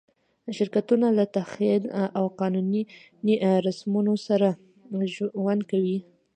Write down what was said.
شرکتونه له تخیل او قانوني رسمونو سره ژوند کوي.